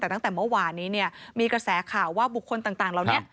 แต่ตั้งแต่เมื่อวานนี้เนี่ยมีกระแสข่าวว่าบุคคลต่างเหล่านี้